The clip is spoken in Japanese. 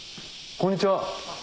こんにちは。